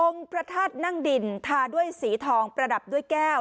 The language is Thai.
พระธาตุนั่งดินทาด้วยสีทองประดับด้วยแก้ว